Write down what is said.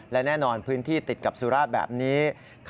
และแน่นอนพื้นที่ติดกับสุราชแบบนี้